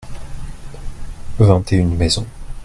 vingt et une maisons.